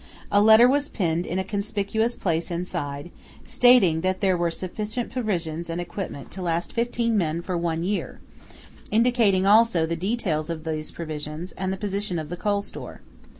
A letter was pinned in a conspicuous place inside, stating that there were sufficient provisions and equipment to last fifteen men for one year, indicating also the details of these provisions and the position of the coal store.